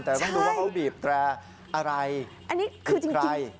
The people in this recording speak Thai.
แต่ต้องดูว่าเขาบีบแตรอะไรหรือใคร